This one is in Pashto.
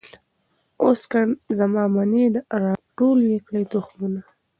اوس که زما منۍ را ټول یې کړی تخمونه